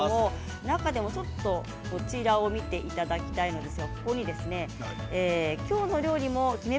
中でもちょっとこちらを見ていただきたいんです。